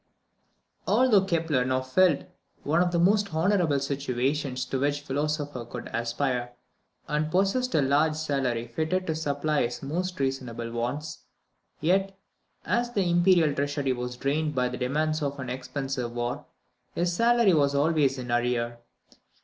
_ Although Kepler now filled one of the most honourable situations to which a philosopher could aspire, and possessed a large salary fitted to supply his most reasonable wants, yet, as the imperial treasury was drained by the demands of an expensive war, his salary was always in arrear.